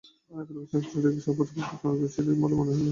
রাখালকে সাংসারিক বিষয়ে অপুর অপেক্ষা অনেক কুঁশিয়ার বলিয়া মনে হইল।